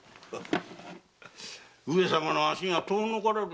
上様の足が遠のかれる